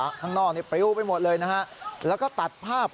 ข้างนอกนี่ปริ้วไปหมดเลยนะฮะแล้วก็ตัดภาพ